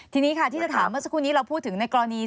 ทีนี้ค่ะที่จะถามเมื่อสักครู่นี้เราพูดถึงในกรณี